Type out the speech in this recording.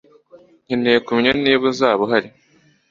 Nkeneye kumenya niba uzaba uhari